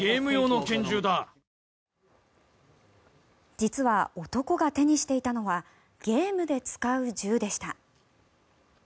実は男が手にしていたのはゲームで使う銃でした。